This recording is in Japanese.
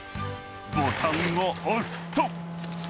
［ボタンを押すと］